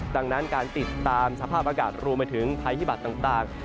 ดังนั้นการติดตามสภาพอากาศรวมไปถึงภัยพิบัตรต่าง